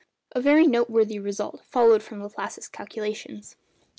A very noteworthy result followed from Laplace's calculations.